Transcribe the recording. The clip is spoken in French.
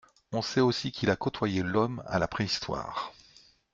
On sait aussi qu’il a côtoyé l’homme à la préhistoire.